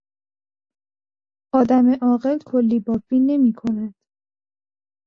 آدم عاقل کلیبافی نمیکند.